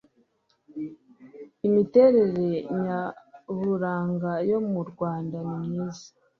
imiterere nyaburanga yo mu rwanda ni myiza